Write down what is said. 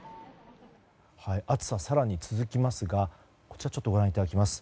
暑さ、更に続きますがこちら、ご覧いただきます。